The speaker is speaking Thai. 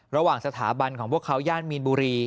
ระหว่างสถาบันของพวกเขาย่านมีนบุรี